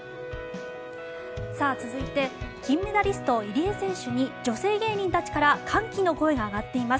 続いて金メダリスト入江選手に女性芸人たちから歓喜の声が上がっています。